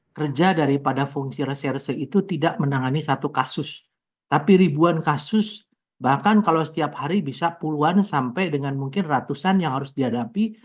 kerja daripada fungsi reserse itu tidak menangani satu kasus tapi ribuan kasus bahkan kalau setiap hari bisa puluhan sampai dengan mungkin ratusan yang harus dihadapi